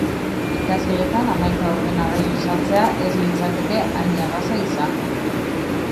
Ikasgeletan hamaika ordenagailu sartzea ez litzateke hain erraza izango.